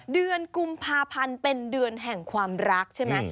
เดือนกุมภาพันธ์เป็นเดือนแห่งความรักใช่ไหม